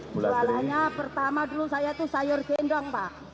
jualannya pertama dulu saya itu sayur gendong pak